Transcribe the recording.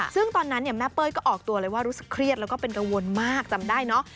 ซึ่งตอนนั้นเนี่ยแม่เป้ยก็ออกตัวเลยว่ารู้สึกเครียดแล้วก็เป็นกังวลมากจำได้เนอะ